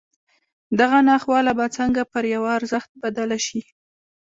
دغه ناخواله به څنګه پر يوه ارزښت بدله شي.